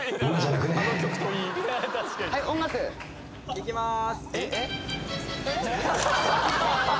いきます